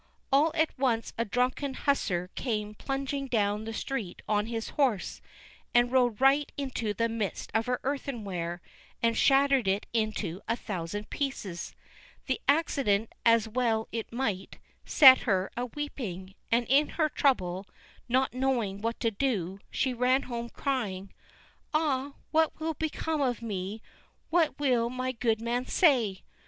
All at once a drunken hussar came plunging down the street on his horse, and rode right into the midst of her earthenware, and shattered it into a thousand pieces. The accident, as well it might, set her a weeping, and in her trouble, not knowing what to do, she ran home crying: "Ah, what will become of me; what will my good man say?"